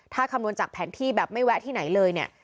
ถ้าคำนวณจากแผนที่แบบไม่แวะที่ไหนเลยเนี่ย